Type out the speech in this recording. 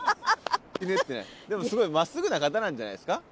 でもすごいまっすぐな方なんじゃないですか？